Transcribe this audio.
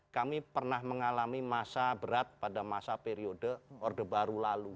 kami pernah mengalami masa berat pada masa periode orde baru lalu